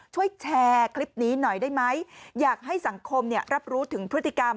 ช่วยแชร์คลิปนี้หน่อยได้ไหมอยากให้สังคมรับรู้ถึงพฤติกรรม